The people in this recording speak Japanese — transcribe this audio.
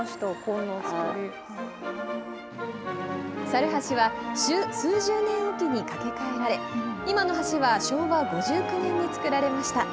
猿橋は数十年置きに架け替えられ、今の橋は昭和５９年に造られました。